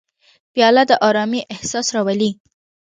پیاله د ارامۍ احساس راولي.